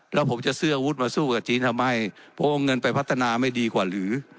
แล้วผมจะซื้ออาวุธมาสู้กับจีนทำไมเพราะว่าเงินไปพัฒนาไม่ดีกว่าหรือ